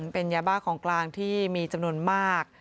เป็นยาบ้าของกลางที่มีจำนวนมาก